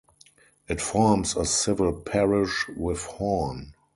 It forms a civil parish with Horn.